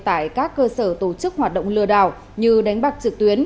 tại các cơ sở tổ chức hoạt động lừa đảo như đánh bạc trực tuyến